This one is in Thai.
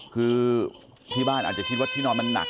คือที่บ้านอาจจะคิดว่าที่นอนมันหนัก